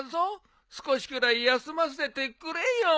少しくらい休ませてくれよ。